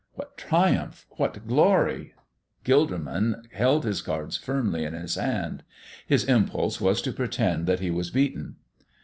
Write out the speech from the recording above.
What triumph! What glory! Gilderman held his cards firmly in his hand. His impulse was to pretend that he was beaten.